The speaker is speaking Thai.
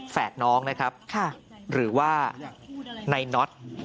แฝดน้องนะครับหรือว่านายน็อต